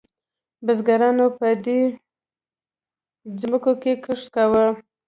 بزګرانو به په دې ځمکو کې کښت کاوه.